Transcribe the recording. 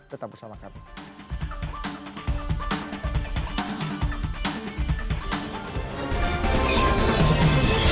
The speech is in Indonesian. tetap bersama kami